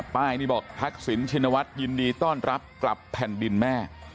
ป้ายนี่บอกทักษิณชินวัฒน์ยินดีต้อนรับกลับแผ่นดินแม่